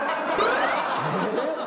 えっ！？